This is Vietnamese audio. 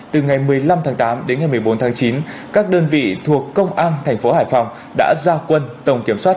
từ ngày một mươi năm tháng tám đến ngày một mươi bốn tháng chín các đơn vị thuộc công an thành phố hải phòng đã ra quân tổng kiểm soát